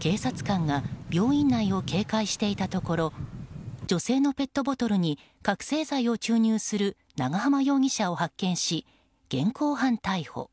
警察官が病院内を警戒していたところ女性のペットボトルに覚醒剤を注入する長浜容疑者を発見し、現行犯逮捕。